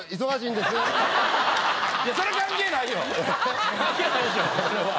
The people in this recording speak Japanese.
それ関係ないよ。